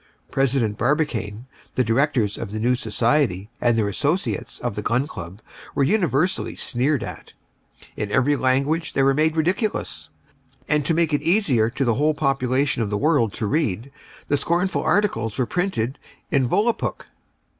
President Barbicane, the Directors of the new Society and their associates of the Gun Club were universally sneered at. In every language they were made ridiculous, and to make it easier to the whole population of the world to read the scornful articles were printed in "Volapuk."